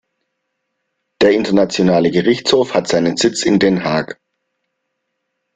Der internationale Gerichtshof hat seinen Sitz in Den Haag.